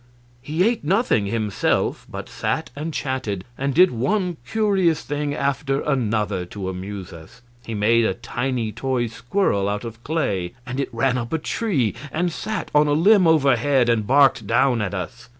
He ate nothing himself, but sat and chatted, and did one curious thing after another to amuse us. He made a tiny toy squirrel out of clay, and it ran up a tree and sat on a limb overhead and barked down at us.